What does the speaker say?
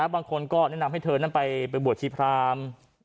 บางคนก็แนะนำให้เธอนั้นไปบวชชีพราม